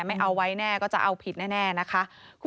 ไม่เอาไว้แน่ก็จะเอาผิดแน่นะคะ